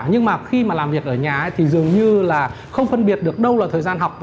nhưng mà khi mà làm việc ở nhà thì dường như là không phân biệt được đâu là thời gian học